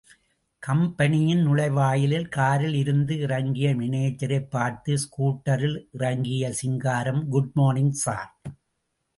கம்பெனியின் நுழைவாயிலில் காரில் இருந்து இறங்கிய மேனேஜரைப் பார்த்து, ஸ்கூட்டரில் இறங்கிய சிங்காரம், குட்மார்னிங் ஸார்.